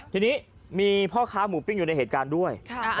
ทีนี้มีพ่อค้าหมูปิ้งอยู่ในเหตุการณ์ด้วย